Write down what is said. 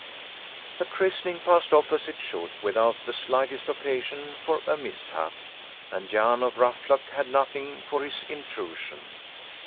The christening passed off as it should without the slightest occasion for a mishap, and Jan of Ruffluck had nothing for his intrusion.